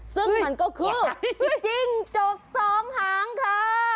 ซึ่งมันก็คือจิ้งจกสองหางค่ะ